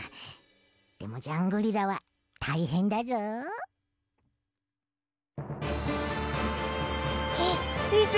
でもジャングリラはたいへんだぞ。あっみて！